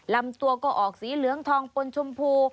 ลำตัวก็ออกสีเหลืองทองปนชมพู